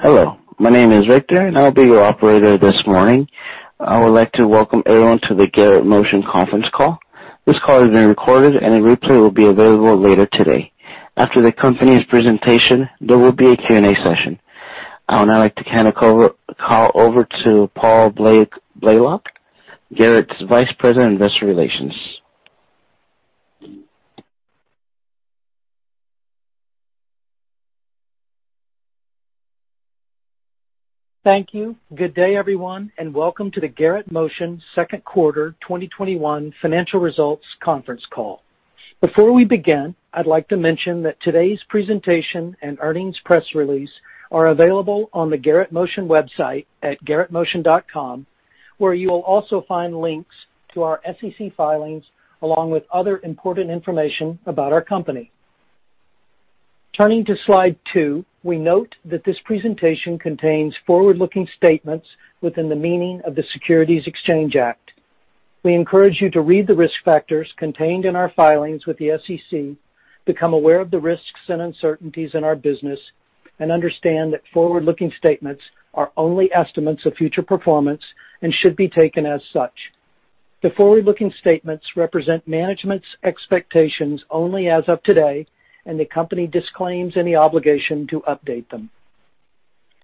Hello, my name is Victor, and I'll be your operator this morning. I would like to welcome everyone to the Garrett Motion conference call. This call is being recorded, and a replay will be available later today. After the company's presentation, there will be a Q&A session. I would now like to hand the call over to Paul Blalock, Garrett's Vice President of Investor Relations. Thank you. Good day, everyone, and welcome to the Garrett Motion second quarter 2021 financial results conference call. Before we begin, I'd like to mention that today's presentation and earnings press release are available on the garrettmotion.com website at garrettmotion.com, where you will also find links to our SEC filings, along with other important information about our company. Turning to Slide two, we note that this presentation contains forward-looking statements within the meaning of the Securities Exchange Act. We encourage you to read the Risk Factors contained in our filings with the SEC, become aware of the risks and uncertainties in our business, and understand that forward-looking statements are only estimates of future performance and should be taken as such. The forward-looking statements represent management's expectations only as of today, and the company disclaims any obligation to update them.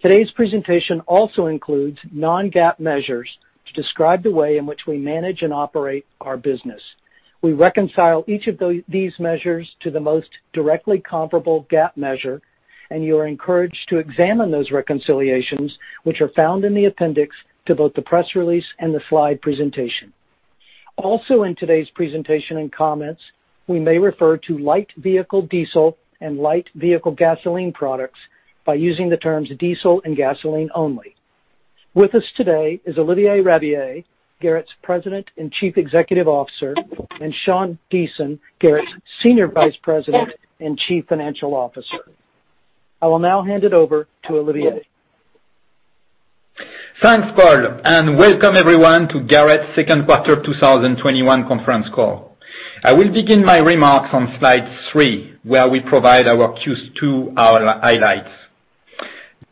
Today's presentation also includes non-GAAP measures to describe the way in which we manage and operate our business. We reconcile each of these measures to the most directly comparable GAAP measure, and you are encouraged to examine those reconciliations, which are found in the appendix to both the press release and the slide presentation. Also, in today's presentation and comments, we may refer to light vehicle diesel and light vehicle gasoline products by using the terms diesel and gasoline only. With us today is Olivier Rabiller, Garrett's President and Chief Executive Officer, and Sean Deason, Garrett's Senior Vice President and Chief Financial Officer. I will now hand it over to Olivier. Thanks, Paul, and welcome everyone to Garrett's second quarter 2021 conference call. I will begin my remarks on Slide three, where we provide our Q2 highlights.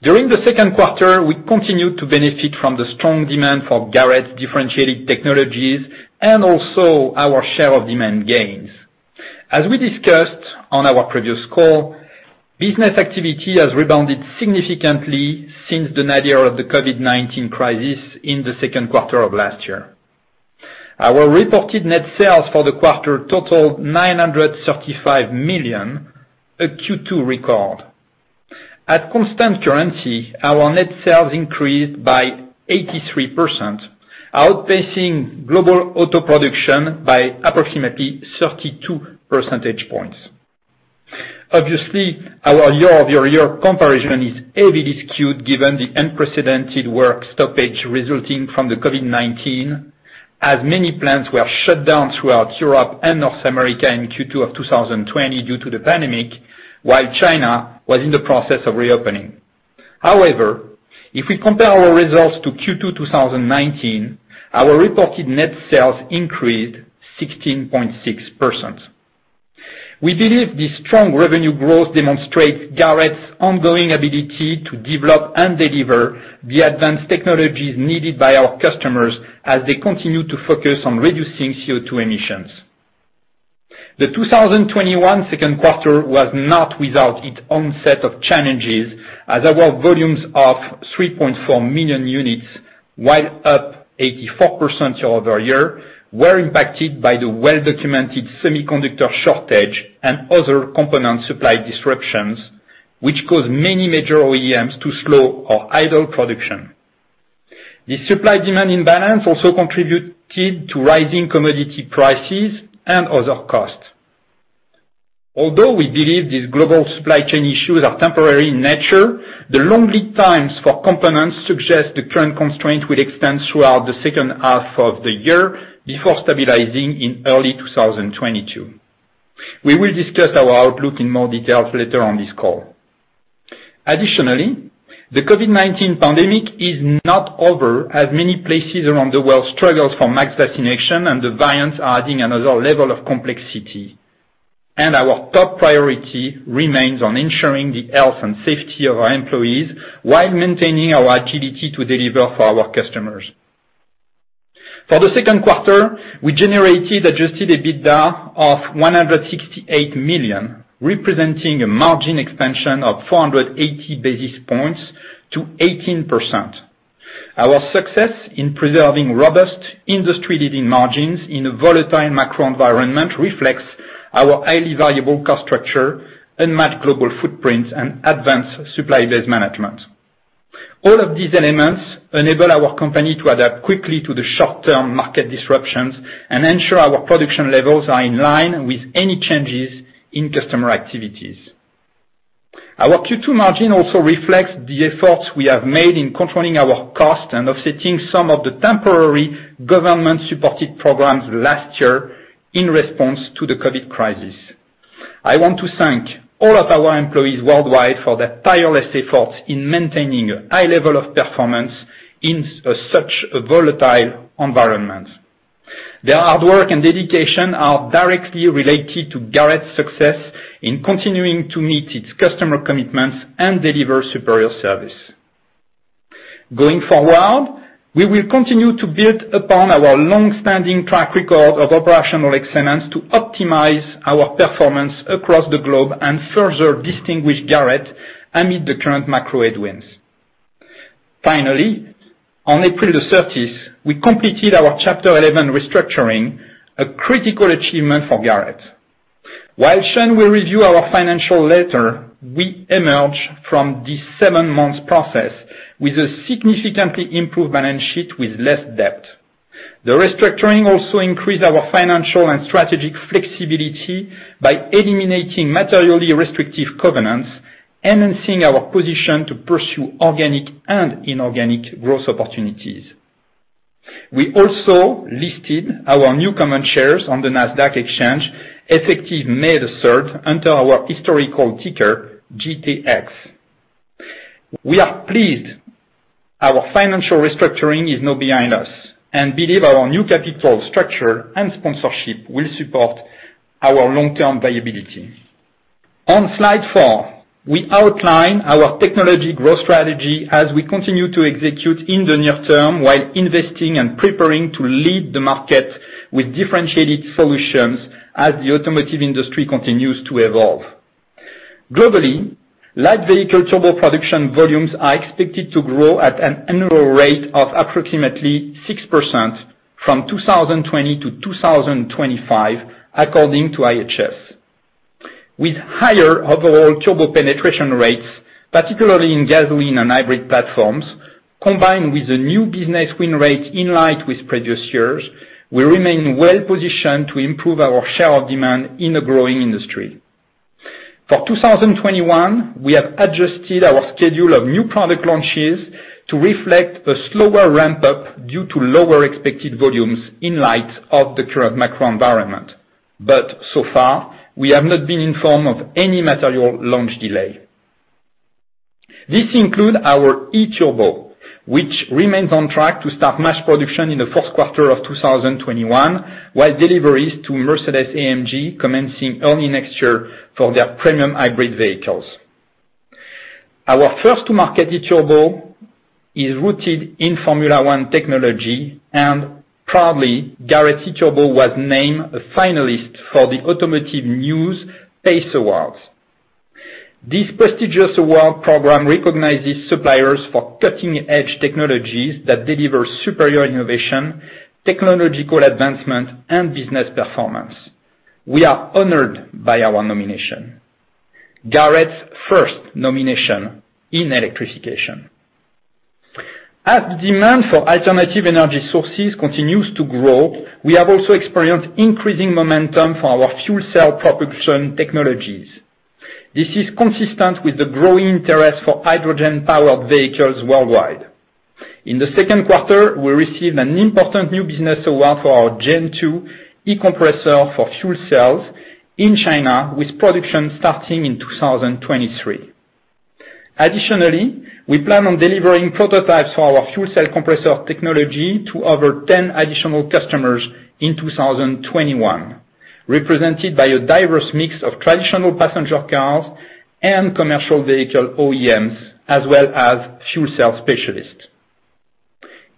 During the second quarter, we continued to benefit from the strong demand for Garrett's differentiated technologies and also our share of demand gains. As we discussed on our previous call, business activity has rebounded significantly since the nadir of the COVID-19 crisis in the second quarter of last year. Our reported net sales for the quarter totaled $935 million, a Q2 record. At constant currency, our net sales increased by 83%, outpacing global auto production by approximately 32 percentage points. Obviously, our year-over-year comparison is heavily skewed given the unprecedented work stoppage resulting from the COVID-19, as many plants were shut down throughout Europe and North America in Q2 2020 due to the pandemic, while China was in the process of reopening. If we compare our results to Q2 2019, our reported net sales increased 16.6%. We believe this strong revenue growth demonstrates Garrett's ongoing ability to develop and deliver the advanced technologies needed by our customers as they continue to focus on reducing CO2 emissions. The 2021 second quarter was not without its own set of challenges, as our volumes of 3.4 million units, while up 84% year-over-year, were impacted by the well-documented semiconductor shortage and other component supply disruptions, which caused many major OEMs to slow or idle production. This supply-demand imbalance also contributed to rising commodity prices and other costs. Although we believe these global supply chain issues are temporary in nature, the long lead times for components suggest the current constraint will extend throughout the second half of the year before stabilizing in early 2022. We will discuss our outlook in more details later on this call. Additionally, the COVID-19 pandemic is not over, as many places around the world struggle for mass vaccination and the variants are adding another level of complexity. Our top priority remains on ensuring the health and safety of our employees while maintaining our agility to deliver for our customers. For the second quarter, we generated adjusted EBITDA of $168 million, representing a margin expansion of 480 basis points to 18%. Our success in preserving robust industry-leading margins in a volatile macro environment reflects our highly valuable cost structure and matched global footprint and advanced supply base management. All of these elements enable our company to adapt quickly to the short-term market disruptions and ensure our production levels are in line with any changes in customer activities. Our Q2 margin also reflects the efforts we have made in controlling our cost and offsetting some of the temporary government-supported programs last year in response to the COVID crisis. I want to thank all of our employees worldwide for their tireless efforts in maintaining a high level of performance in such a volatile environment. Their hard work and dedication are directly related to Garrett's success in continuing to meet its customer commitments and deliver superior service. Going forward, we will continue to build upon our long-standing track record of operational excellence to optimize our performance across the globe and further distinguish Garrett amid the current macro headwinds. Finally, on April the 30th, we completed our Chapter 11 restructuring, a critical achievement for Garrett. While Sean will review our financial later, we emerge from this seven-month process with a significantly improved balance sheet with less debt. The restructuring also increased our financial and strategic flexibility by eliminating materially restrictive covenants, enhancing our position to pursue organic and inorganic growth opportunities. We also listed our new common shares on the Nasdaq, effective May the 3rd, under our historical ticker, GTX. We are pleased our financial restructuring is now behind us and believe our new capital structure and sponsorship will support our long-term viability. On Slide four, we outline our technology growth strategy as we continue to execute in the near-term while investing and preparing to lead the market with differentiated solutions as the automotive industry continues to evolve. Globally, light vehicle turbo production volumes are expected to grow at an annual rate of approximately 6% from 2020-2025, according to IHS. With higher overall turbo penetration rates, particularly in gasoline and hybrid platforms, combined with the new business win rates in line with previous years, we remain well-positioned to improve our share of demand in a growing industry. For 2021, we have adjusted our schedule of new product launches to reflect a slower ramp-up due to lower expected volumes in light of the current macro environment. So far, we have not been informed of any material launch delay. This includes our E-Turbo, which remains on track to start mass production in the fourth quarter of 2021, while deliveries to Mercedes-AMG commencing early next year for their premium hybrid vehicles. Our first to market E-Turbo is rooted in Formula One technology and proudly, Garrett E-Turbo was named a finalist for the Automotive News PACE Awards. This prestigious award program recognizes suppliers for cutting-edge technologies that deliver superior innovation, technological advancement, and business performance. We are honored by our nomination, Garrett's first nomination in electrification. As demand for alternative energy sources continues to grow, we have also experienced increasing momentum for our fuel cell propulsion technologies. This is consistent with the growing interest for hydrogen-powered vehicles worldwide. In the second quarter, we received an important new business award for our gen 2 E-Compressor for fuel cells in China, with production starting in 2023. Additionally, we plan on delivering prototypes for our fuel cell compressor technology to over 10 additional customers in 2021, represented by a diverse mix of traditional passenger cars and commercial vehicle OEMs, as well as fuel cell specialists.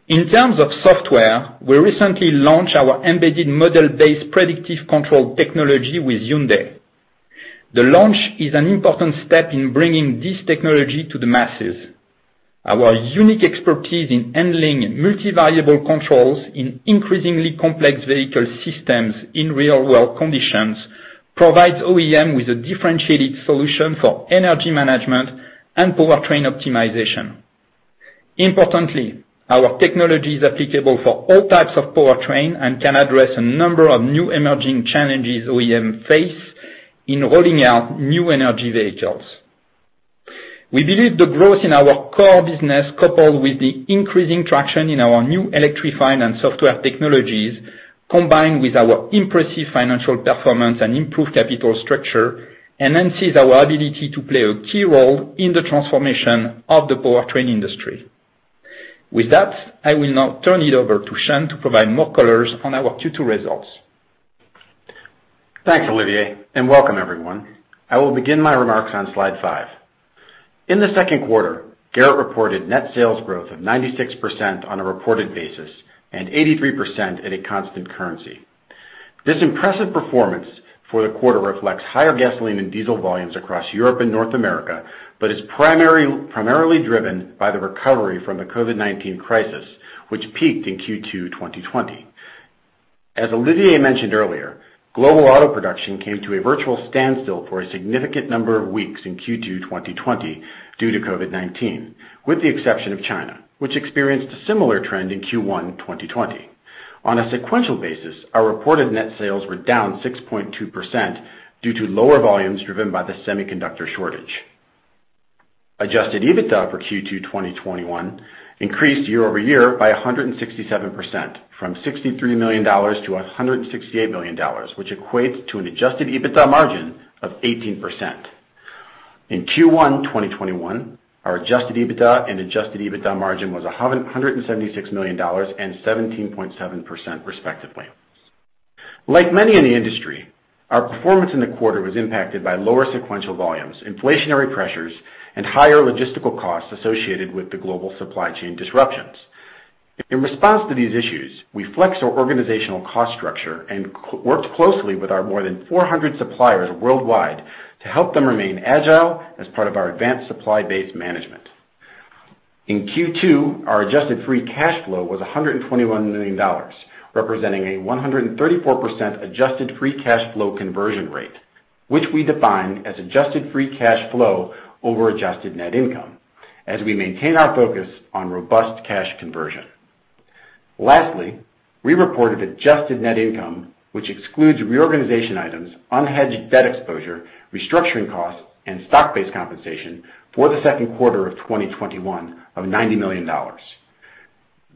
In terms of software, we recently launched our embedded model-based predictive control technology with Hyundai. The launch is an important step in bringing this technology to the masses. Our unique expertise in handling multi-variable controls in increasingly complex vehicle systems in real-world conditions provides OEM with a differentiated solution for energy management and powertrain optimization. Importantly, our technology is applicable for all types of powertrain and can address a number of new emerging challenges OEM face in rolling out new energy vehicles. We believe the growth in our core business, coupled with the increasing traction in our new electrifying and software technologies, combined with our impressive financial performance and improved capital structure, enhances our ability to play a key role in the transformation of the powertrain industry. With that, I will now turn it over to Sean to provide more colors on our Q2 results. Thanks, Olivier, and welcome everyone. I will begin my remarks on Slide five. In the second quarter, Garrett reported net sales growth of 96% on a reported basis and 83% at a constant currency. This impressive performance for the quarter reflects higher gasoline and diesel volumes across Europe and North America, but is primarily driven by the recovery from the COVID-19 crisis, which peaked in Q2 2020. As Olivier mentioned earlier, global auto production came to a virtual standstill for a significant number of weeks in Q2 2020 due to COVID-19, with the exception of China, which experienced a similar trend in Q1 2020. On a sequential basis, our reported net sales were down 6.2% due to lower volumes driven by the semiconductor shortage. Adjusted EBITDA for Q2 2021 increased year-over-year by 167%, from $63 million to $168 million, which equates to an adjusted EBITDA margin of 18%. In Q1 2021, our adjusted EBITDA and adjusted EBITDA margin was $176 million and 17.7% respectively. Like many in the industry, our performance in the quarter was impacted by lower sequential volumes, inflationary pressures, and higher logistical costs associated with the global supply chain disruptions. In response to these issues, we flexed our organizational cost structure and worked closely with our more than 400 suppliers worldwide to help them remain agile as part of our advanced supply base management. In Q2, our adjusted free cash flow was $121 million, representing a 134% adjusted free cash flow conversion rate, which we define as adjusted free cash flow over adjusted net income, as we maintain our focus on robust cash conversion. Lastly, we reported adjusted net income, which excludes reorganization items, unhedged debt exposure, restructuring costs, and stock-based compensation for the second quarter of 2021 of $90 million.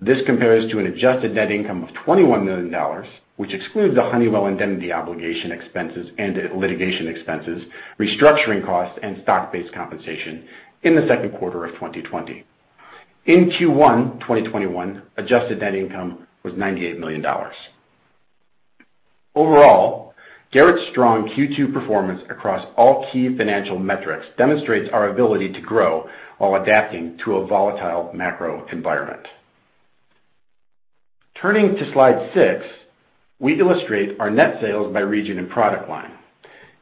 This compares to an adjusted net income of $21 million, which excludes the Honeywell indemnity obligation expenses and litigation expenses, restructuring costs, and stock-based compensation in the second quarter of 2020. In Q1 2021, adjusted net income was $98 million. Overall, Garrett's strong Q2 performance across all key financial metrics demonstrates our ability to grow while adapting to a volatile macro environment. Turning to Slide six, we illustrate our net sales by region and product line.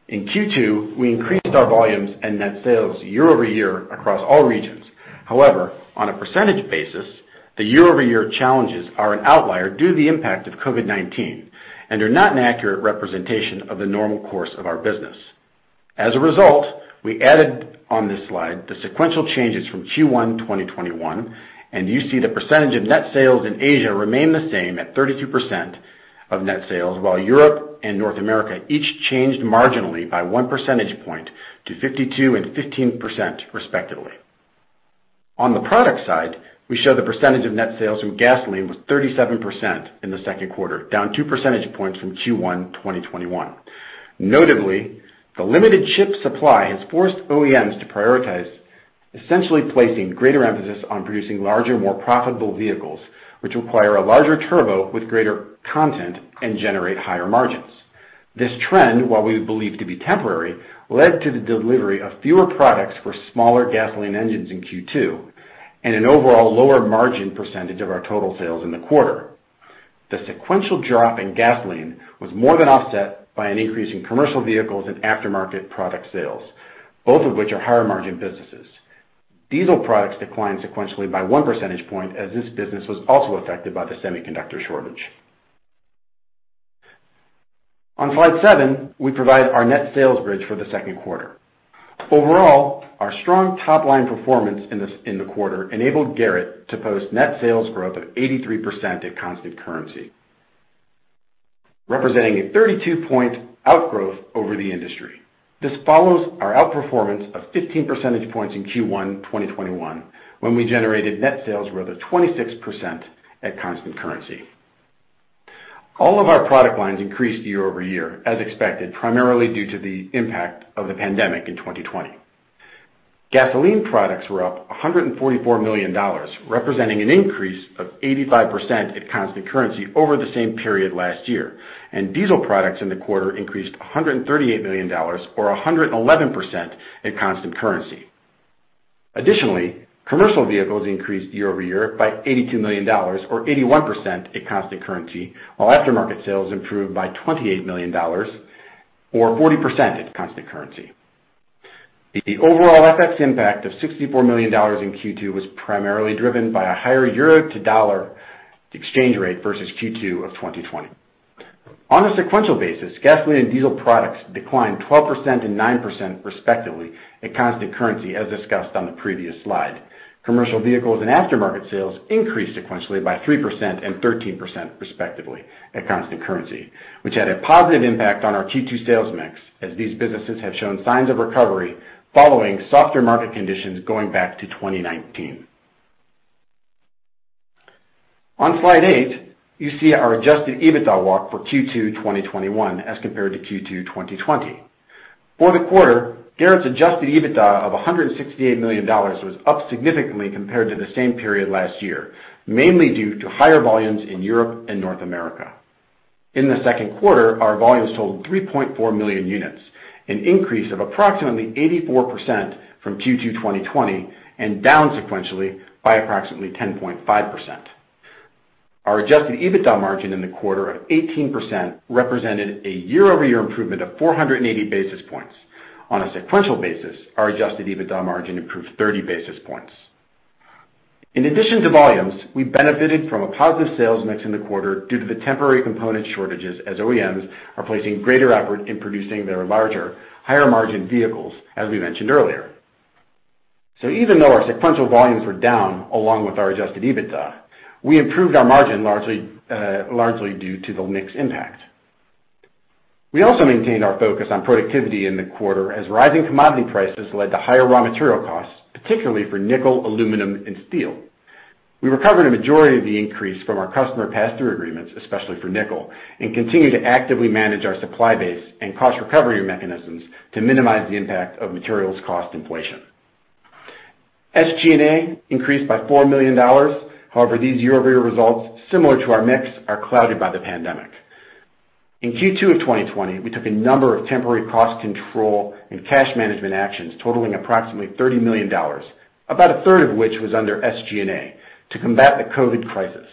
In Q2, we increased our volumes and net sales year-over-year across all regions. However, on a percentage basis, the year-over-year challenges are an outlier due to the impact of COVID-19 and are not an accurate representation of the normal course of our business. As a result, we added on this slide the sequential changes from Q1 2021. You see the percentage of net sales in Asia remain the same at 32% of net sales, while Europe and North America each changed marginally by 1 percentage point to 52% and 15% respectively. On the product side, we show the percentage of net sales from gasoline was 37% in the second quarter, down two percentage points from Q1 2021. Notably, the limited chip supply has forced OEMs to prioritize essentially placing greater emphasis on producing larger, more profitable vehicles, which require a larger turbo with greater content and generate higher margins. This trend, while we believe to be temporary, led to the delivery of fewer products for smaller gasoline engines in Q2 and an overall lower margin percentage of our total sales in the quarter. The sequential drop in gasoline was more than offset by an increase in commercial vehicles and aftermarket product sales, both of which are higher-margin businesses. Diesel products declined sequentially by 1 percentage point, as this business was also affected by the semiconductor shortage. On Slide seven, we provide our net sales bridge for the second quarter. Overall, our strong top-line performance in the quarter enabled Garrett to post net sales growth of 83% at constant currency, representing a 32-point outgrowth over the industry. This follows our outperformance of 15 percentage points in Q1 2021 when we generated net sales growth of 26% at constant currency. All of our product lines increased year-over-year, as expected, primarily due to the impact of the pandemic in 2020. Gasoline products were up $144 million, representing an increase of 85% at constant currency over the same period last year. Diesel products in the quarter increased $138 million or 111% at constant currency. Additionally, commercial vehicles increased year-over-year by $82 million or 81% at constant currency, while aftermarket sales improved by $28 million or 40% at constant currency. The overall FX impact of $64 million in Q2 was primarily driven by a higher euro to dollar exchange rate versus Q2 of 2020. On a sequential basis, gasoline and diesel products declined 12% and 9% respectively at constant currency, as discussed on the previous slide. Commercial vehicles and aftermarket sales increased sequentially by 3% and 13% respectively at constant currency, which had a positive impact on our Q2 sales mix as these businesses have shown signs of recovery following softer market conditions going back to 2019. On Slide eight, you see our adjusted EBITDA walk for Q2 2021 as compared to Q2 2020. For the quarter, Garrett's adjusted EBITDA of $168 million was up significantly compared to the same period last year, mainly due to higher volumes in Europe and North America. In the second quarter, our volumes totaled 3.4 million units, an increase of approximately 84% from Q2 2020 and down sequentially by approximately 10.5%. Our adjusted EBITDA margin in the quarter of 18% represented a year-over-year improvement of 480 basis points. On a sequential basis, our adjusted EBITDA margin improved 30 basis points. In addition to volumes, we benefited from a positive sales mix in the quarter due to the temporary component shortages as OEMs are placing greater effort in producing their larger, higher-margin vehicles, as we mentioned earlier. Even though our sequential volumes were down along with our adjusted EBITDA, we improved our margin largely due to the mix impact. We also maintained our focus on productivity in the quarter as rising commodity prices led to higher raw material costs, particularly for nickel, aluminum, and steel. We recovered a majority of the increase from our customer pass-through agreements, especially for nickel, and continue to actively manage our supply base and cost recovery mechanisms to minimize the impact of materials cost inflation. SG&A increased by $4 million. However, these year-over-year results, similar to our mix, are clouded by the pandemic. In Q2 of 2020, we took a number of temporary cost control and cash management actions totaling approximately $30 million, about a third of which was under SG&A, to combat the COVID crisis.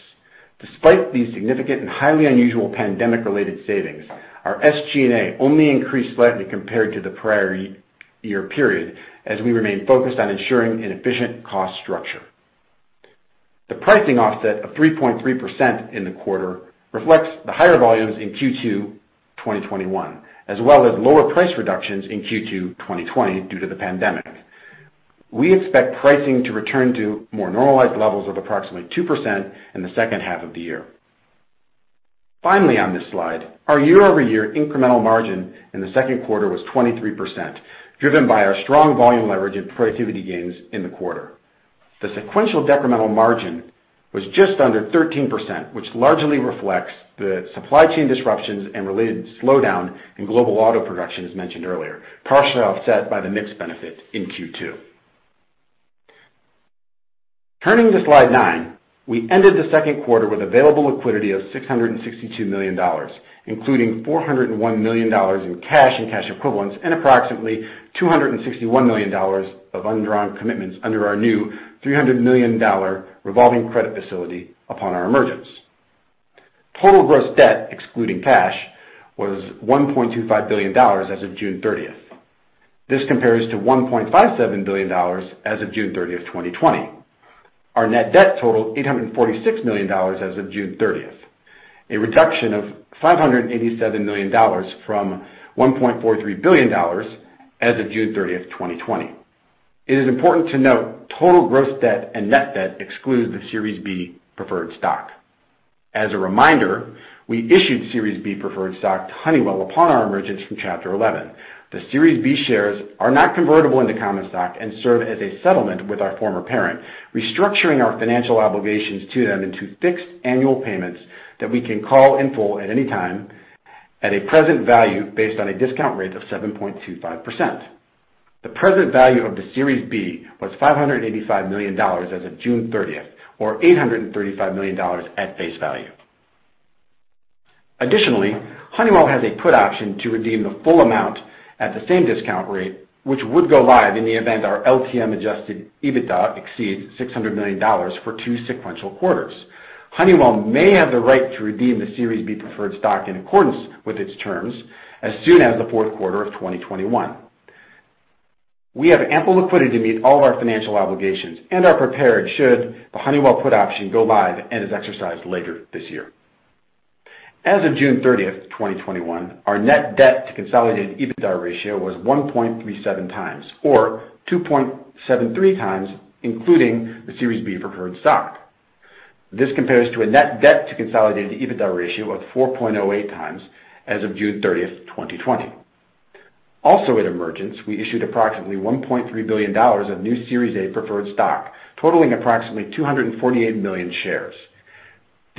Despite these significant and highly unusual pandemic-related savings, our SG&A only increased slightly compared to the prior year period, as we remain focused on ensuring an efficient cost structure. The pricing offset of 3.3% in the quarter reflects the higher volumes in Q2 2021, as well as lower price reductions in Q2 2020 due to the pandemic. We expect pricing to return to more normalized levels of approximately 2% in the second half of the year. Finally, on this slide, our year-over-year incremental margin in the second quarter was 23%, driven by our strong volume leverage and productivity gains in the quarter. The sequential decremental margin was just under 13%, which largely reflects the supply chain disruptions and related slowdown in global auto production as mentioned earlier, partially offset by the mix benefit in Q2. Turning to Slide nine, we ended the second quarter with available liquidity of $662 million, including $401 million in cash and cash equivalents and approximately $261 million of undrawn commitments under our new $300 million revolving credit facility upon our emergence. Total gross debt, excluding cash, was $1.25 billion as of June 30th. This compares to $1.57 billion as of June 30th, 2020. Our net debt totaled $846 million as of June 30th, a reduction of $587 million from $1.43 billion as of June 30th, 2020. It is important to note total gross debt and net debt exclude the Series B Preferred Stock. As a reminder, we issued Series B Preferred Stock to Honeywell upon our emergence from Chapter 11. The Series B shares are not convertible into common stock and serve as a settlement with our former parent, restructuring our financial obligations to them into fixed annual payments that we can call in full at any time at a present value based on a discount rate of 7.25%. The present value of the Series B was $585 million as of June 30th, or $835 million at face value. Additionally, Honeywell has a put option to redeem the full amount at the same discount rate, which would go live in the event our LTM adjusted EBITDA exceeds $600 million for two sequential quarters. Honeywell may have the right to redeem the Series B preferred stock in accordance with its terms as soon as the fourth quarter of 2021. We have ample liquidity to meet all our financial obligations and are prepared should the Honeywell put option go live and is exercised later this year. As of June 30th, 2021, our net debt to consolidated EBITDA ratio was 1.37x, or 2.73x, including the Series B preferred stock. This compares to a net debt to consolidated EBITDA ratio of 4.08x as of June 30th, 2020. At emergence, we issued approximately $1.3 billion of new Series A preferred stock, totaling approximately 248 million shares.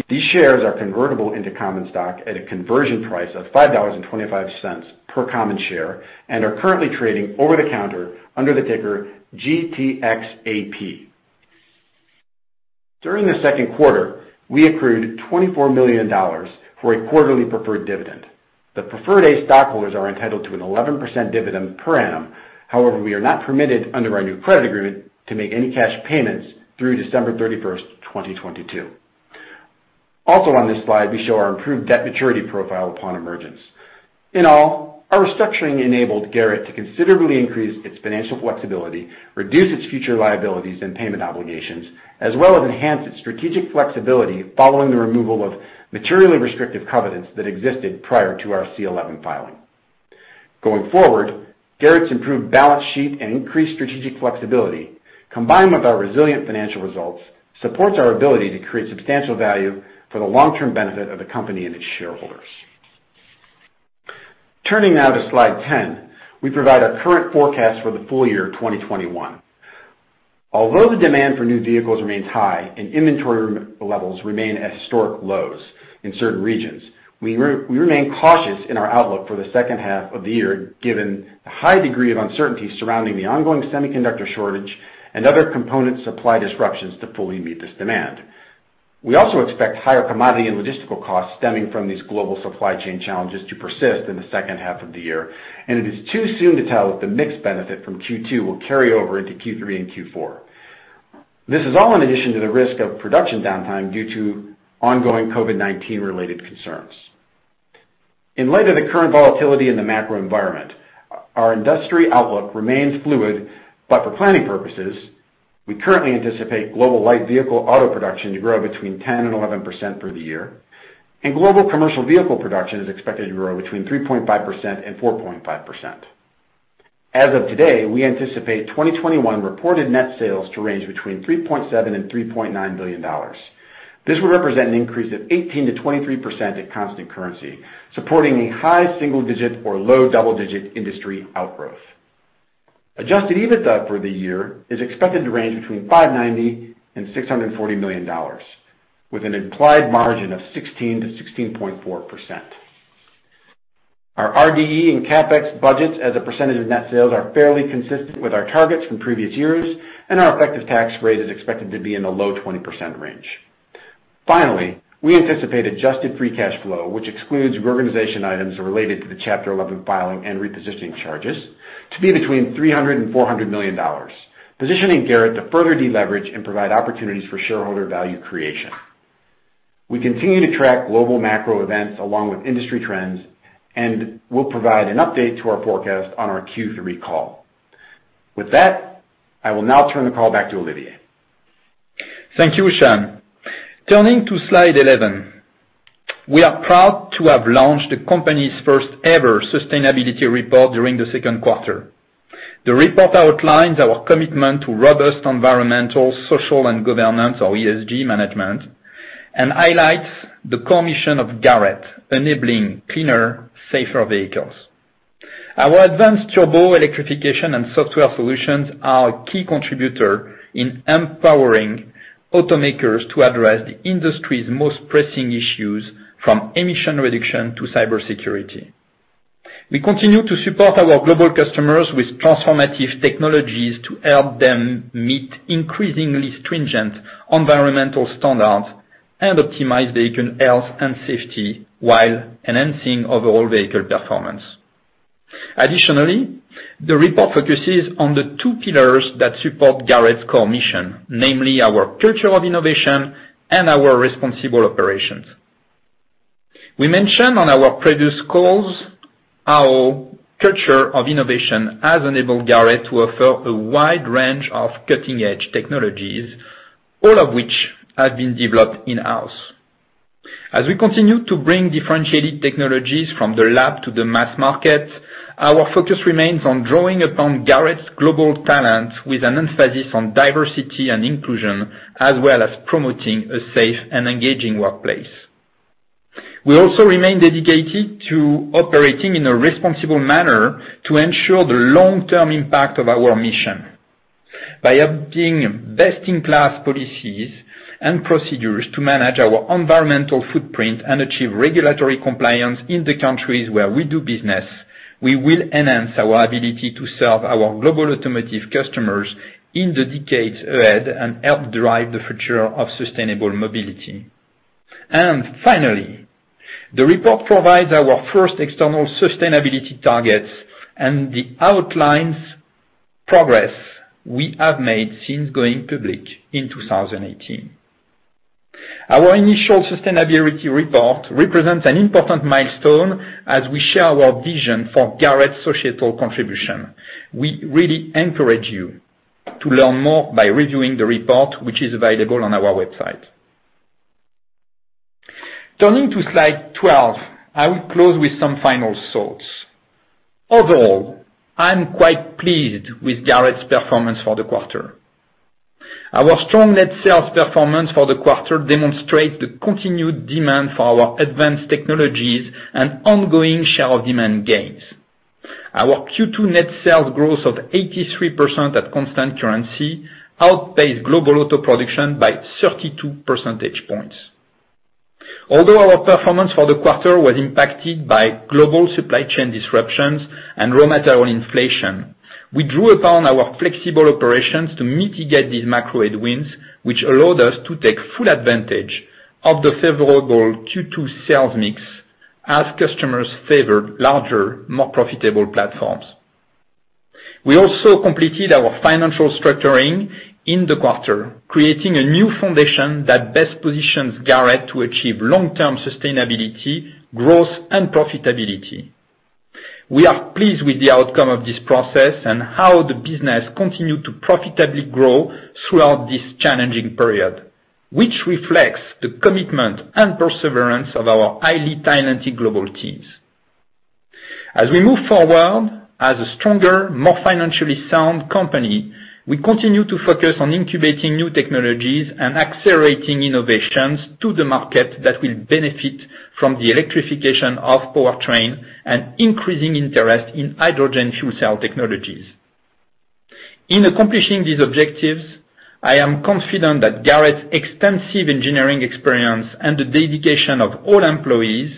These shares are convertible into common stock at a conversion price of $5.25 per common share and are currently trading over the counter under the ticker GTXAP. During the second quarter, we accrued $24 million for a quarterly preferred dividend. The Preferred A stockholders are entitled to an 11% dividend per annum. However, we are not permitted under our new credit agreement to make any cash payments through December 31st, 2022. Also on this slide, we show our improved debt maturity profile upon emergence. In all, our restructuring enabled Garrett to considerably increase its financial flexibility, reduce its future liabilities and payment obligations, as well as enhance its strategic flexibility following the removal of materially restrictive covenants that existed prior to our C-11 filing. Going forward, Garrett's improved balance sheet and increased strategic flexibility, combined with our resilient financial results, supports our ability to create substantial value for the long-term benefit of the company and its shareholders. Turning now to Slide 10, we provide our current forecast for the full-year 2021. Although the demand for new vehicles remains high and inventory levels remain at historic lows in certain regions, we remain cautious in our outlook for the second half of the year given the high degree of uncertainty surrounding the ongoing semiconductor shortage and other component supply disruptions to fully meet this demand. It is too soon to tell if the mix benefit from Q2 will carry over into Q3 and Q4. This is all in addition to the risk of production downtime due to ongoing COVID-19 related concerns. In light of the current volatility in the macro environment, our industry outlook remains fluid, but for planning purposes, we currently anticipate global light vehicle auto production to grow between 10% and 11% for the year, and global commercial vehicle production is expected to grow between 3.5% and 4.5%. As of today, we anticipate 2021 reported net sales to range between $3.7 and $3.9 billion. This would represent an increase of 18%-23% at constant currency, supporting a high single-digit or low double-digit industry outgrowth. Adjusted EBITDA for the year is expected to range between $590 and $640 million, with an implied margin of 16%-16.4%. Our RD&E and CapEx budgets as a percentage of net sales are fairly consistent with our targets from previous years. Our effective tax rate is expected to be in the low 20% range. Finally, we anticipate adjusted free cash flow, which excludes reorganization items related to the Chapter 11 filing and repositioning charges, to be between $300 million and $400 million, positioning Garrett to further deleverage and provide opportunities for shareholder value creation. We continue to track global macro events along with industry trends. We will provide an update to our forecast on our Q3 call. With that, I will now turn the call back to Olivier. Thank you, Sean. Turning to Slide 11. We are proud to have launched the company's first-ever sustainability report during the second quarter. The report outlines our commitment to robust environmental, social, and governance, or ESG, management, and highlights the core mission of Garrett, enabling cleaner, safer vehicles. Our advanced turbo electrification and software solutions are a key contributor in empowering automakers to address the industry's most pressing issues, from emission reduction to cybersecurity. We continue to support our global customers with transformative technologies to help them meet increasingly stringent environmental standards and optimize vehicle health and safety while enhancing overall vehicle performance. Additionally, the report focuses on the two pillars that support Garrett's core mission, namely our culture of innovation and our responsible operations. We mentioned on our previous calls how culture of innovation has enabled Garrett to offer a wide range of cutting-edge technologies, all of which have been developed in-house. As we continue to bring differentiated technologies from the lab to the mass market, our focus remains on drawing upon Garrett's global talent with an emphasis on diversity and inclusion, as well as promoting a safe and engaging workplace. We also remain dedicated to operating in a responsible manner to ensure the long-term impact of our mission. By adopting best-in-class policies and procedures to manage our environmental footprint and achieve regulatory compliance in the countries where we do business, we will enhance our ability to serve our global automotive customers in the decades ahead and help drive the future of sustainable mobility. Finally, the report provides our first external sustainability targets and it outlines progress we have made since going public in 2018. Our initial sustainability report represents an important milestone as we share our vision for Garrett's societal contribution. We really encourage you to learn more by reviewing the report, which is available on our website. Turning to Slide 12, I will close with some final thoughts. Overall, I'm quite pleased with Garrett's performance for the quarter. Our strong net sales performance for the quarter demonstrates the continued demand for our advanced technologies and ongoing share of demand gains. Our Q2 net sales growth of 83% at constant currency outpaced global auto production by 32 percentage points. Although our performance for the quarter was impacted by global supply chain disruptions and raw material inflation, we drew upon our flexible operations to mitigate these macro headwinds, which allowed us to take full advantage of the favorable Q2 sales mix as customers favored larger, more profitable platforms. We also completed our financial structuring in the quarter, creating a new foundation that best positions Garrett to achieve long-term sustainability, growth, and profitability. We are pleased with the outcome of this process and how the business continued to profitably grow throughout this challenging period, which reflects the commitment and perseverance of our highly talented global teams. As we move forward as a stronger, more financially sound company, we continue to focus on incubating new technologies and accelerating innovations to the market that will benefit from the electrification of powertrain and increasing interest in hydrogen fuel cell technologies. In accomplishing these objectives, I am confident that Garrett's extensive engineering experience and the dedication of all employees,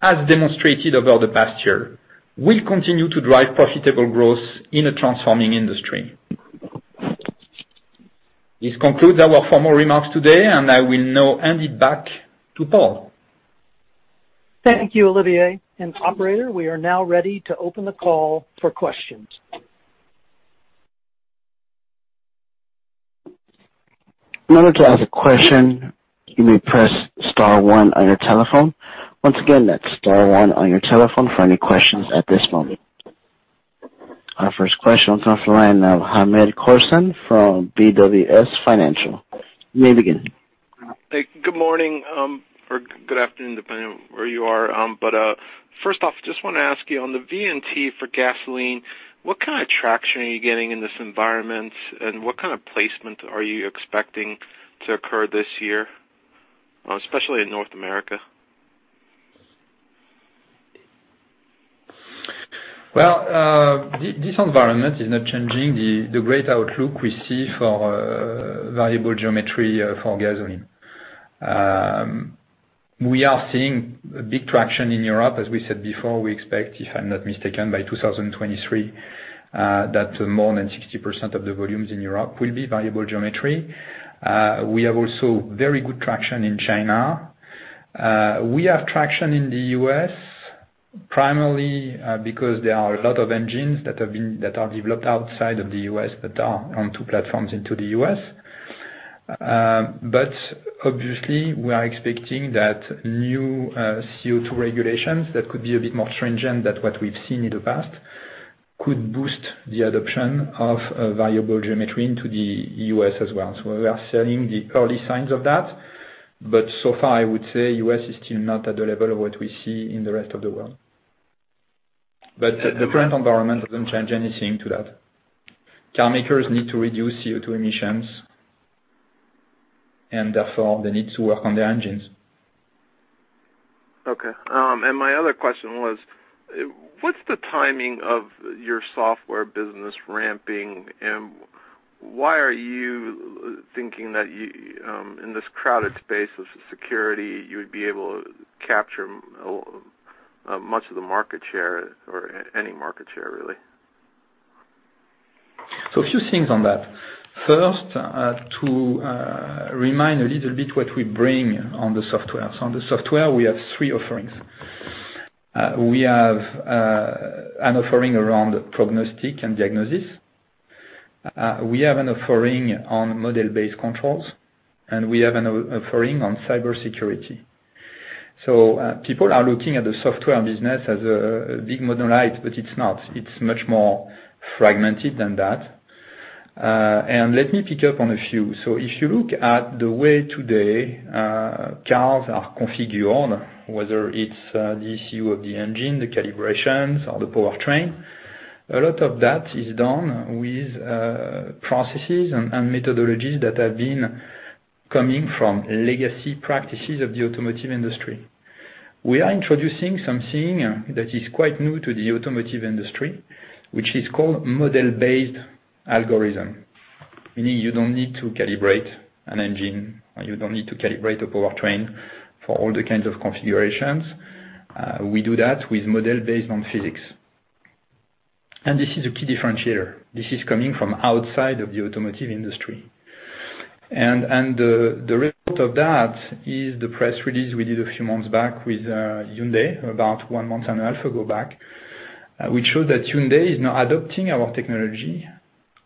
as demonstrated over the past year, will continue to drive profitable growth in a transforming industry. This concludes our formal remarks today, and I will now hand it back to Paul. Thank you, Olivier. Operator, we are now ready to open the call for questions. In order to ask a question, you may press star one on your telephone. Once again, that's star one on your telephone for any questions at this moment. Our first question comes from the line of Hamed Khorsand from BWS Financial. You may begin. Hey, good morning, or good afternoon, depending on where you are. First off, just want to ask you, on the VNT for gasoline, what kind of traction are you getting in this environment, and what kind of placement are you expecting to occur this year, especially in North America? Well, this environment is not changing the great outlook we see for variable geometry for gasoline. We are seeing a big traction in Europe, as we said before, we expect, if I'm not mistaken, by 2023, that more than 60% of the volumes in Europe will be variable geometry. We have also very good traction in China. We have traction in the U.S., primarily because there are a lot of engines that are developed outside of the U.S. that are on two platforms into the U.S. Obviously, we are expecting that new CO2 regulations that could be a bit more stringent than what we've seen in the past, could boost the adoption of variable geometry into the U.S. as well. We are seeing the early signs of that, but so far, I would say U.S. is still not at the level of what we see in the rest of the world. The current environment doesn't change anything to that. Car makers need to reduce CO2 emissions, and therefore, they need to work on their engines. Okay. My other question was, what's the timing of your software business ramping, and why are you thinking that in this crowded space of security, you would be able to capture much of the market share or any market share, really? A few things on that. First, to remind a little bit what we bring on the software. On the software, we have three offerings. We have an offering around prognostic and diagnosis. We have an offering on model-based controls, and we have an offering on cybersecurity. People are looking at the software business as a big monolith, but it's not. It's much more fragmented than that. Let me pick up on a few. If you look at the way today cars are configured, whether it's the ECU of the engine, the calibrations, or the powertrain, a lot of that is done with processes and methodologies that have been coming from legacy practices of the automotive industry. We are introducing something that is quite new to the automotive industry, which is called model-based algorithm, meaning you don't need to calibrate an engine, or you don't need to calibrate a powertrain for all the kinds of configurations. We do that with model based on physics. This is a key differentiator. This is coming from outside of the automotive industry. The result of that is the press release we did a few months back with Hyundai, about one month and a half ago back, which showed that Hyundai is now adopting our technology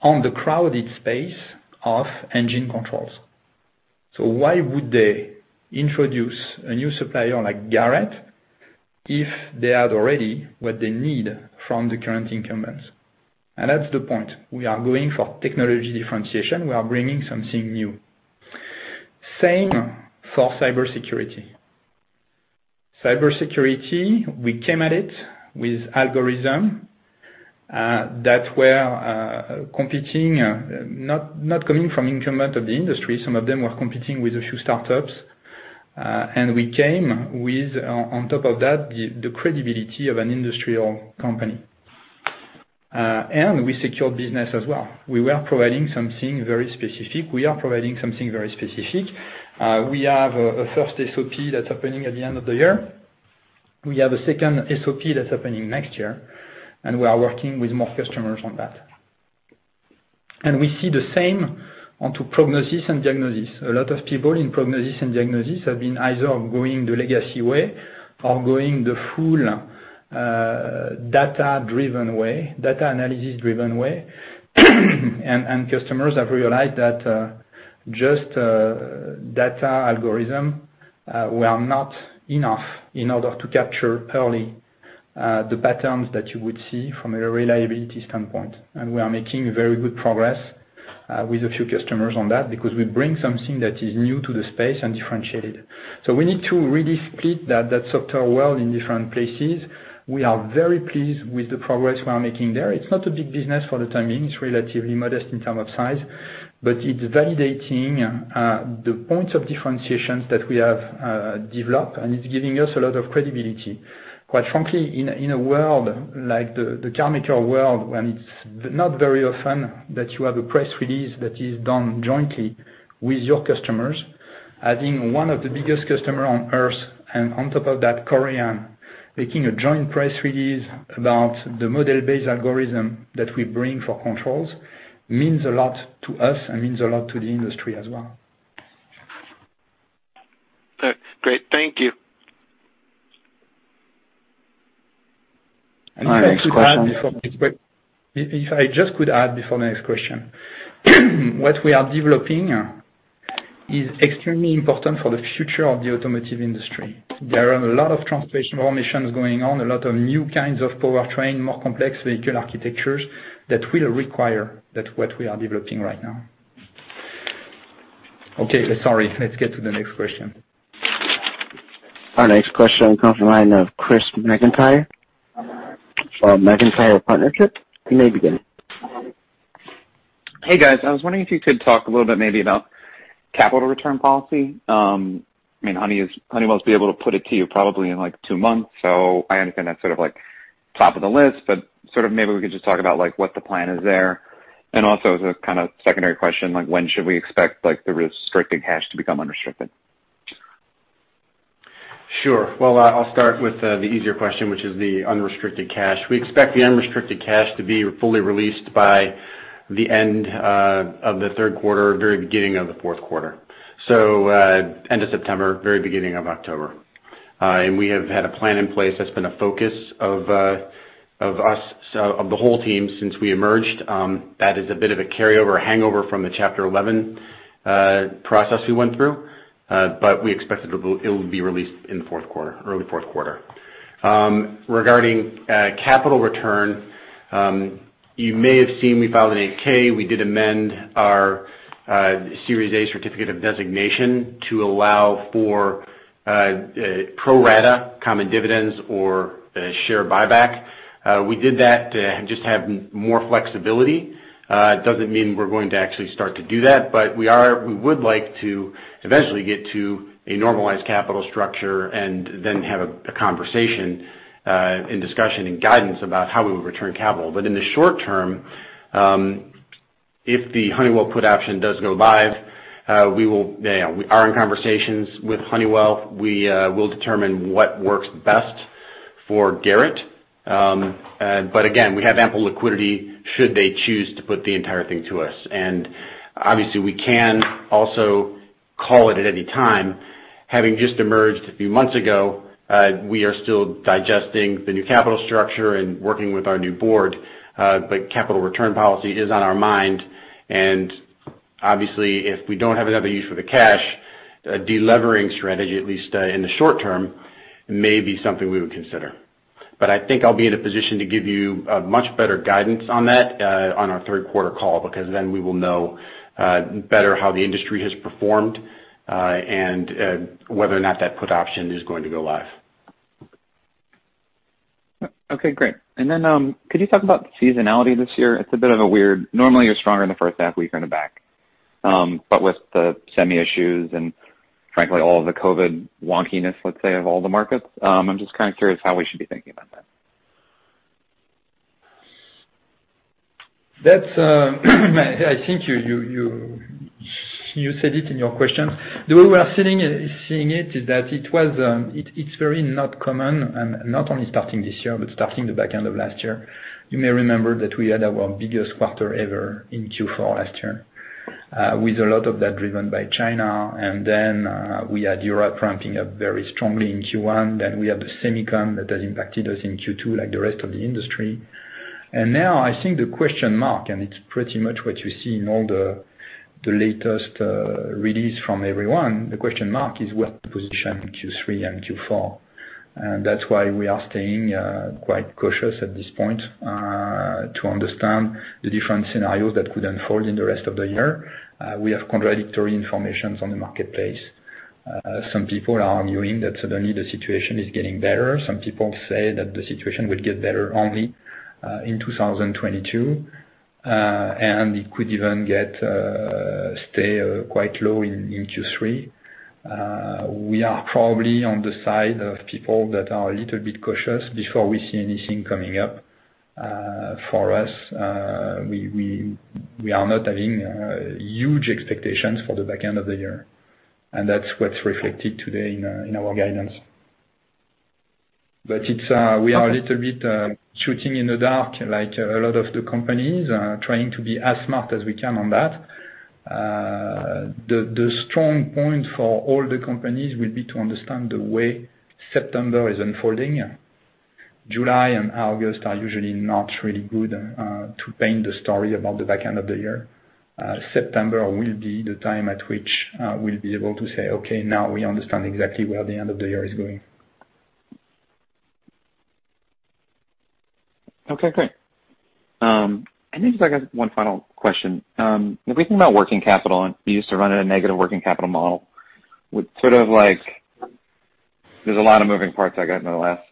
on the crowded space of engine controls. Why would they introduce a new supplier like Garrett if they had already what they need from the current incumbents? That's the point. We are going for technology differentiation. We are bringing something new. Same for cybersecurity. Cybersecurity, we came at it with algorithms that were competing, not coming from incumbents of the industry. Some of them were competing with a few startups. We came with, on top of that, the credibility of an industrial company. We secured business as well. We were providing something very specific. We are providing something very specific. We have a first SOP that's happening at the end of the year. We have a second SOP that's happening next year, and we are working with more customers on that. We see the same onto prognosis and diagnosis. A lot of people in prognosis and diagnosis have been either going the legacy way or going the full data analysis driven way. Customers have realized that just data algorithms were not enough in order to capture early the patterns that you would see from a reliability standpoint. We are making very good progress with a few customers on that because we bring something that is new to the space and differentiate it. We need to really split that software well in different places. We are very pleased with the progress we are making there. It's not a big business for the time being. It's relatively modest in term of size, but it's validating the points of differentiations that we have developed, and it's giving us a lot of credibility. Quite frankly, in a world like the car maker world, when it's not very often that you have a press release that is done jointly with your customers, adding one of the biggest customer on earth, and on top of that, Korean, making a joint press release about the model-based algorithm that we bring for controls means a lot to us and means a lot to the industry as well. Great. Thank you. Our next question. If I just could add before the next question. What we are developing is extremely important for the future of the automotive industry. There are a lot of transformation missions going on, a lot of new kinds of powertrain, more complex vehicle architectures that will require that what we are developing right now. Okay, sorry. Let's get to the next question. Our next question comes from the line of Chris McIntyre from McIntyre Partnerships. You may begin. Hey guys, I was wondering if you could talk a little bit maybe about capital return policy. Honeywell will be able to put it to you probably in two months, so I understand that's top of the list, but maybe we could just talk about what the plan is there, and also as a secondary question, when should we expect the restricted cash to become unrestricted? Sure. I'll start with the easier question, which is the unrestricted cash. We expect the unrestricted cash to be fully released by the end of the third quarter, very beginning of the fourth quarter. End of September, very beginning of October. We have had a plan in place that's been a focus of the whole team since we emerged. That is a bit of a carryover hangover from the Chapter 11 process we went through. We expect it will be released in the early fourth quarter. Regarding capital return, you may have seen we filed an 8-K. We did amend our Series A certificate of designation to allow for pro rata common dividends or share buyback. We did that to just have more flexibility. It doesn't mean we're going to actually start to do that, but we would like to eventually get to a normalized capital structure and then have a conversation, and discussion, and guidance about how we would return capital. In the short-term, if the Honeywell put option does go live, we are in conversations with Honeywell. We will determine what works best for Garrett. Again, we have ample liquidity should they choose to put the entire thing to us. Obviously we can also call it at any time. Having just emerged a few months ago, we are still digesting the new capital structure and working with our new board. Capital return policy is on our mind, and obviously, if we don't have another use for the cash, a de-levering strategy, at least in the short-term, may be something we would consider. I think I'll be in a position to give you a much better guidance on that on our third quarter call, because then we will know better how the industry has performed, and whether or not that put option is going to go live. Okay, great. Could you talk about seasonality this year? Normally, you're stronger in the first half, weaker in the back. With the semi issues and frankly, all of the COVID-19 wonkiness, let's say, of all the markets, I'm just kind of curious how we should be thinking about that. I think you said it in your question. The way we are seeing it is that it's very not common, and not only starting this year, but starting the back end of last year. You may remember that we had our biggest quarter ever in Q4 last year, with a lot of that driven by China, and then we had Europe ramping up very strongly in Q1. We had the semiconductor that has impacted us in Q2 like the rest of the industry. Now I think the question mark, and it's pretty much what you see in all the latest releases from everyone, the question mark is will the position Q3 and Q4. That's why we are staying quite cautious at this point, to understand the different scenarios that could unfold in the rest of the year. We have contradictory information on the marketplace. Some people are arguing that suddenly the situation is getting better. Some people say that the situation will get better only in 2022. It could even stay quite low in Q3. We are probably on the side of people that are a little bit cautious before we see anything coming up. For us, we are not having huge expectations for the back end of the year, and that's what's reflected today in our guidance. We are a little bit shooting in the dark, like a lot of the companies, trying to be as smart as we can on that. The strong point for all the companies will be to understand the way September is unfolding. July and August are usually not really good to paint the story about the back end of the year. September will be the time at which we'll be able to say, Okay, now we understand exactly where the end of the year is going. Okay, great. I guess I got one final question. If we think about working capital, and you used to run at a negative working capital model, there's a lot of moving parts, I get, in the last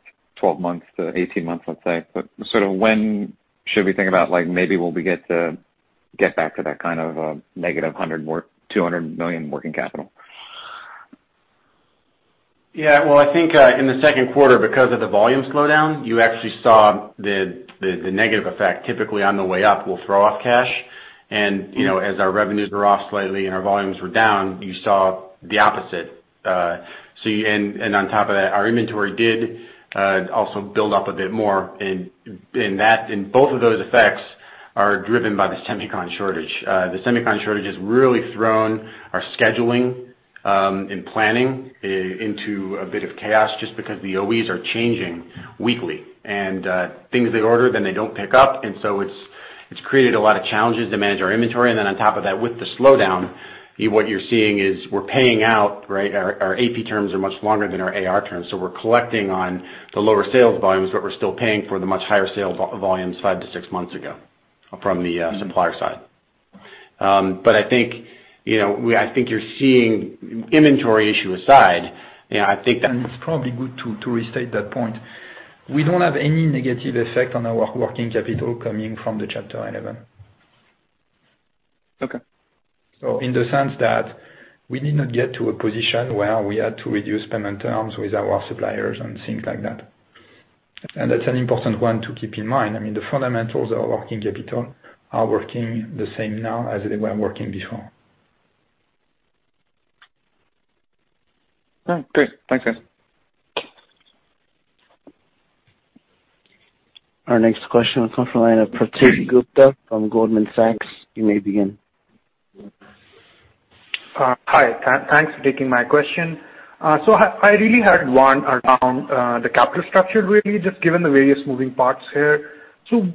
12 months-18 months, let's say. When should we think about maybe will we get back to that kind of negative $100 million or $200 million working capital? Yeah. Well, I think in the second quarter, because of the volume slowdown, you actually saw the negative effect. Typically, on the way up, we'll throw off cash. As our revenues were off slightly and our volumes were down, you saw the opposite. On top of that, our inventory did also build up a bit more, and both of those effects are driven by the semiconductor shortage. The semiconductor shortage has really thrown our scheduling and planning into a bit of chaos just because the OEs are changing weekly, and things they order, then they don't pick up. It's created a lot of challenges to manage our inventory. On top of that, with the slowdown, what you're seeing is we're paying out, our AP terms are much longer than our AR terms, so we're collecting on the lower sales volumes, but we're still paying for the much higher sales volumes five to six months ago from the supplier side. I think you're seeing inventory issue aside. It's probably good to restate that point. We don't have any negative effect on our working capital coming from the Chapter 11. Okay. In the sense that we did not get to a position where we had to reduce payment terms with our suppliers and things like that. That's an important one to keep in mind. I mean, the fundamentals of working capital are working the same now as they were working before. Oh, great. Thanks, guys. Our next question comes from the line of Prateek Gupta from Goldman Sachs. You may begin. Hi. Thanks for taking my question. I really had one around the capital structure, really, just given the various moving parts here.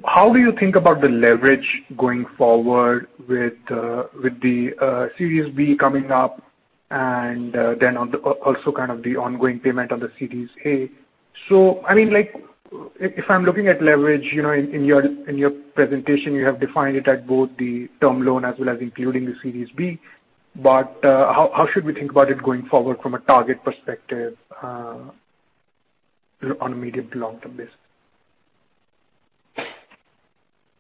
How do you think about the leverage going forward with the Series B coming up and then also kind of the ongoing payment on the Series A? If I'm looking at leverage, in your presentation, you have defined it at both the term loan as well as including the Series B, but how should we think about it going forward from a target perspective on a medium to long-term basis?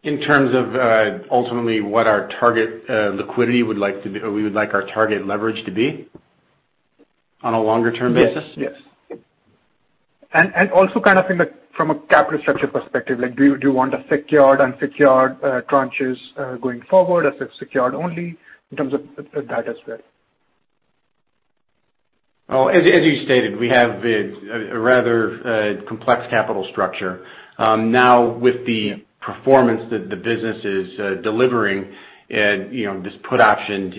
In terms of ultimately what our target liquidity would like to be, or we would like our target leverage to be on a longer-term basis? Yes. Also kind of from a capital structure perspective, do you want a secured, unsecured tranches going forward as a secured only in terms of that as well? Oh, as you stated, we have a rather complex capital structure. With the performance that the business is delivering and this put option,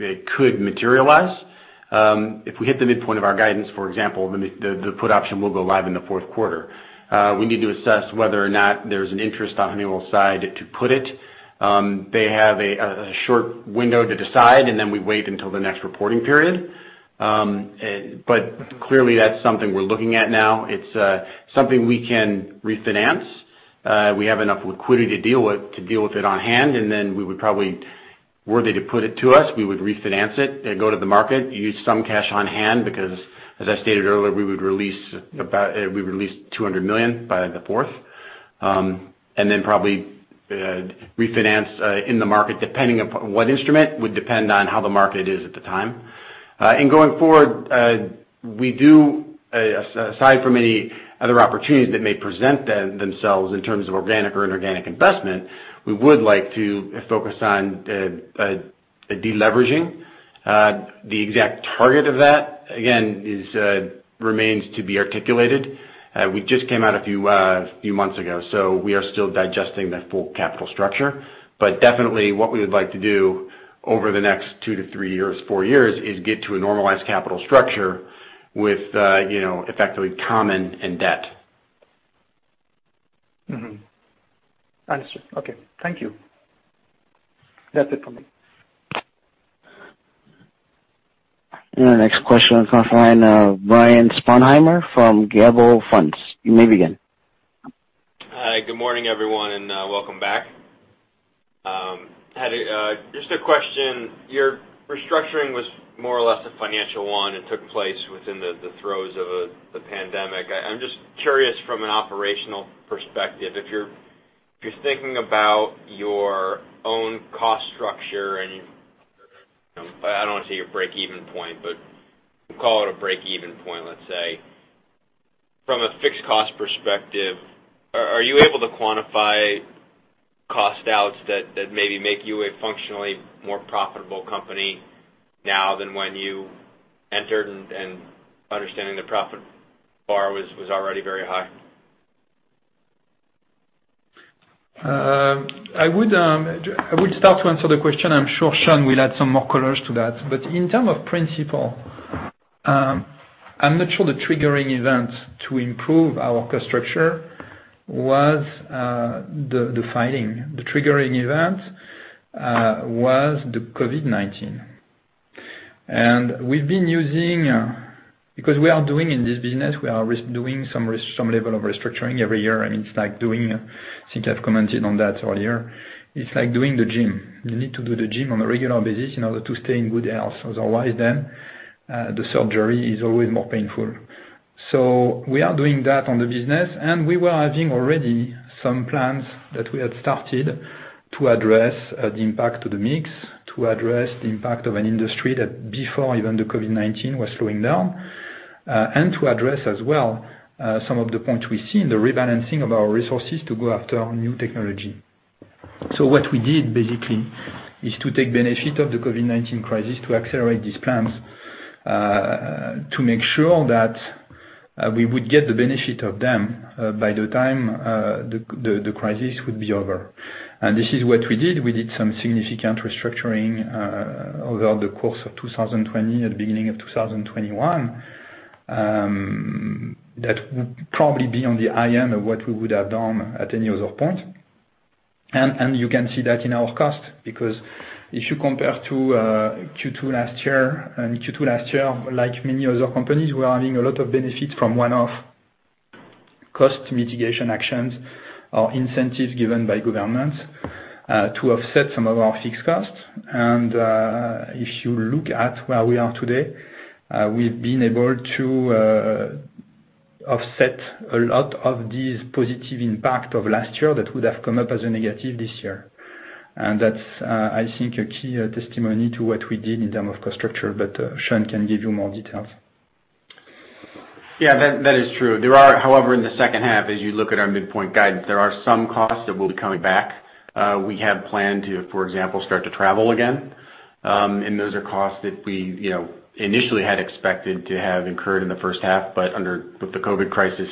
it could materialize. If we hit the midpoint of our guidance, for example, then the put option will go live in the fourth quarter. We need to assess whether or not there's an interest on Honeywell's side to put it. They have a short window to decide, and then we wait until the next reporting period. Clearly, that's something we're looking at now. It's something we can refinance. We have enough liquidity to deal with it on hand. We would probably, were they to put it to us, we would refinance it and go to the market, use some cash on hand, because as I stated earlier, we would release $200 million by the fourth, and then probably refinance in the market, depending upon what instrument would depend on how the market is at the time. Going forward, we do, aside from any other opportunities that may present themselves in terms of organic or inorganic investment, we would like to focus on de-leveraging. The exact target of that, again, remains to be articulated. We just came out a few months ago, so we are still digesting the full capital structure. Definitely what we would like to do over the next 2-3 years, four years, is get to a normalized capital structure with effectively common and debt. Understood. Okay. Thank you. That's it for me. Our next question comes from the line Brian Sponheimer from Gabelli Funds. You may begin. Hi. Good morning, everyone. Welcome back. Just a question. Your restructuring was more or less a financial one. It took place within the throes of the pandemic. I'm just curious from an operational perspective, if you're thinking about your own cost structure and, I don't want to say your break-even point, but we'll call it a break-even point, let's say, from a fixed cost perspective, are you able to quantify cost outs that maybe make you a functionally more profitable company now than when you entered and understanding the profit bar was already very high? I would start to answer the question. I'm sure Sean will add some more colors to that. In term of principle, I'm not sure the triggering event to improve our cost structure was the filing. The triggering event was the COVID-19. Because we are doing in this business, we are doing some level of restructuring every year, and it's like doing, I think I've commented on that earlier. It's like doing the gym. You need to do the gym on a regular basis in order to stay in good health. Otherwise then, the surgery is always more painful. We are doing that on the business, and we were having already some plans that we had started to address the impact to the mix, to address the impact of an industry that before even the COVID-19 was slowing down, and to address as well some of the points we see in the rebalancing of our resources to go after our new technology. What we did, basically, is to take benefit of the COVID-19 crisis to accelerate these plans, to make sure that we would get the benefit of them by the time the crisis would be over. This is what we did. We did some significant restructuring, over the course of 2020, at the beginning of 2021, that would probably be on the high end of what we would have done at any other point. You can see that in our cost, because if you compare to Q2 last year and Q2 last year, like many other companies, we are having a lot of benefits from one-off cost mitigation actions or incentives given by governments to offset some of our fixed costs. If you look at where we are today, we've been able to offset a lot of this positive impact of last year that would have come up as a negative this year. That's, I think, a key testimony to what we did in terms of cost structure, but Sean can give you more details. Yeah, that is true. There are, however, in the second half, as you look at our midpoint guidance, there are some costs that will be coming back. We have planned to, for example, start to travel again. Those are costs that we initially had expected to have incurred in the first half, but under the COVID-19 crisis,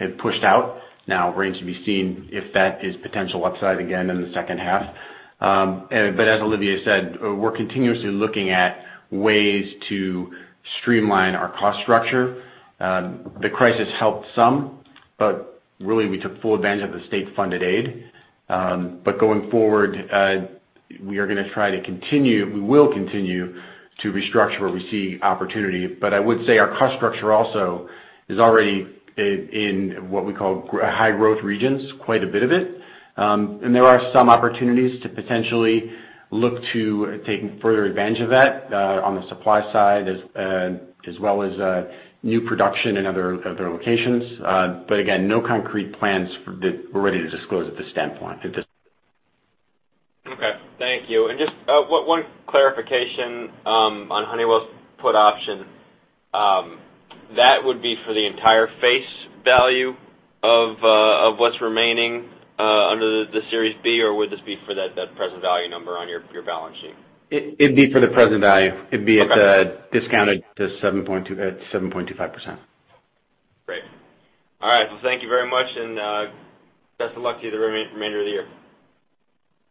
it pushed out. Now remains to be seen if that is potential upside again in the second half. As Olivier said, we're continuously looking at ways to streamline our cost structure. The crisis helped some, but really we took full advantage of the state-funded aid. Going forward, we will continue to restructure where we see opportunity. I would say our cost structure also is already in what we call high growth regions, quite a bit of it. There are some opportunities to potentially look to taking further advantage of that on the supply side, as well as new production in other locations. Again, no concrete plans that we're ready to disclose at this standpoint. Okay, thank you. Just one clarification on Honeywell's put option. That would be for the entire face value of what's remaining under the Series B, or would this be for that present value number on your balance sheet? It'd be for the present value. Okay. It'd be at the discounted, the 7.25%. Great. All right. Thank you very much, and best of luck to you the remainder of the year.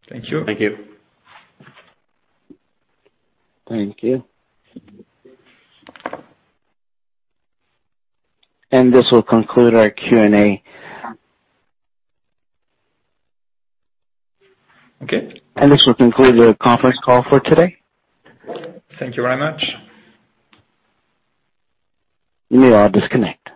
Thank you. Thank you. Thank you. This will conclude our Q&A. Okay. This will conclude the conference call for today. Thank you very much. You may all disconnect.